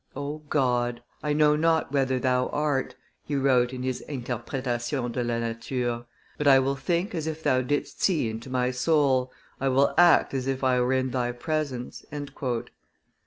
"O God, I know not whether Thou art," he wrote in his Interpretation de la Nature, but I will think as if Thou didst see into my soul, I will act as if I were in Thy presence."